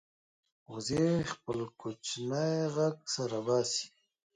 وزې خپل کوچنی غږ سره باسي